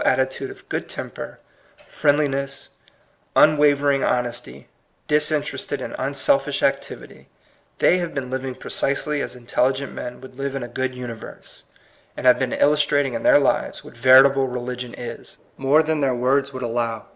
V attitude of good temper, friendliness, un wavering honesty, disinterested and unself ish activity, they have been living precisely as intelligent men would live in a good universe, and have been illustrating in their lives what veritable religion is, more than their words would allow.